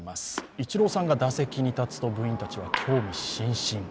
イチローさんが打席に立つと部員たちは興味津々。